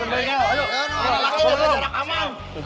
aduh di belakang di belakang